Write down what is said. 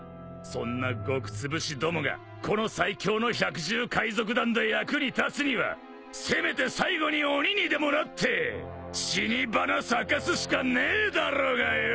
そんなごくつぶしどもがこの最強の百獣海賊団で役に立つにはせめて最後に鬼にでもなって死に花咲かすしかねえだろうがよ！